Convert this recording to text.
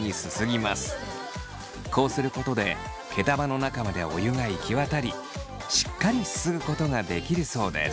こうすることで毛束の中までお湯が行き渡りしっかりすすぐことができるそうです。